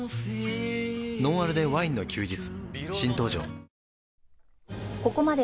「ノンアルでワインの休日」